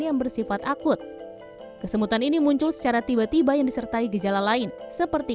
yang bersifat akut kesemutan ini muncul secara tiba tiba yang disertai gejala lain seperti